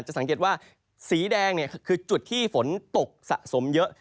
สังเกตว่าสีแดงคือจุดที่ฝนตกสะสมเยอะ